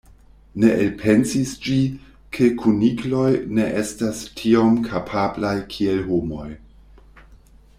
Ne elpensis ĝi, ke kunikloj ne estas tiom kapablaj kiel homoj.